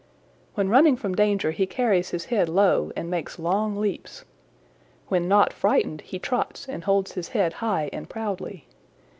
"When running from danger he carries his head low and makes long leaps. When not frightened he trots and holds his head high and proudly.